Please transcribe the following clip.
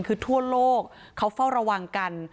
คือทั่วโลกเขาเฝ้าระวังกัน